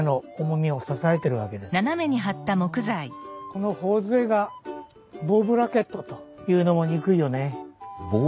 この頬杖がボウブラケットというのも憎いよねえ。